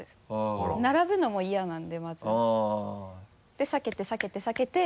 で避けて避けて避けて。